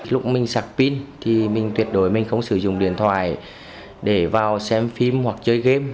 lúc mình sạc pin thì mình tuyệt đối mình không sử dụng điện thoại để vào xem phim hoặc chơi game